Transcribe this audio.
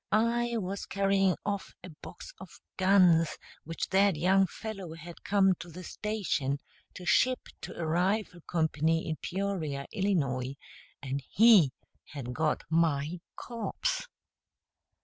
I was carrying off a box of guns which that young fellow had come to the station to ship to a rifle company in Peoria, Illinois, and he had got my corpse!